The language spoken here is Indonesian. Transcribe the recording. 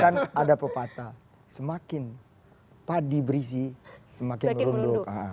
kan ada pepatah semakin padi berisi semakin merunduk